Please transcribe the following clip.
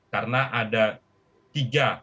karena ada kisah kisah yang terjadi